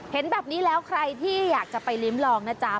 เห็นแบบนี้แล้วใครที่อยากจะไปลิ้มลองนะจ๊ะ